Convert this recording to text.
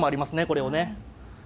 これをね。